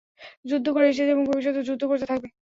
যুদ্ধ করে এসেছে এবং ভবিষ্যতেও যুদ্ধ করতে থাকবে।